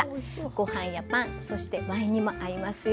ご飯やパンそしてワインにも合いますよ。